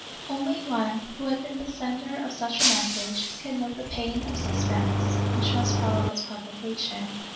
Only one, who has been the sender of such a message, can know the pain of suspense, which must follow its publication.